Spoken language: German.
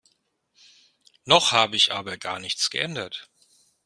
Noch habe ich aber gar nichts geändert.